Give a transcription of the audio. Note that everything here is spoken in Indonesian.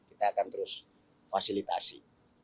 kita akan terus fasilitasi